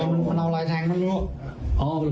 เราเอาอะไรแทงเขาดู